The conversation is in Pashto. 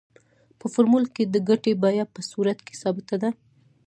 په فورمول کې د ګټې بیه په صورت کې ثابته ده